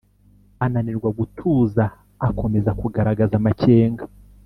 ananirwa gutuza akomeza kugaragaza amakenga